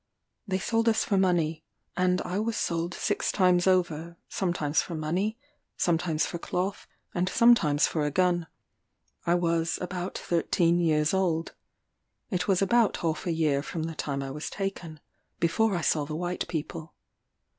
They sold us for money; and I was sold six times over, sometimes for money, sometimes for cloth, and sometimes for a gun. I was about thirteen years old. It was about half a year from the time I was taken, before I saw the white people.